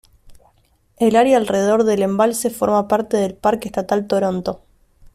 El área alrededor del embalse forma parte del parque estatal Toronto.